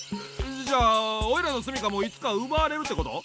じゃおいらのすみかもいつかうばわれるってこと？